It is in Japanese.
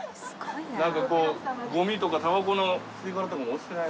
なんかこうゴミとかタバコの吸い殻とかも落ちてないですね。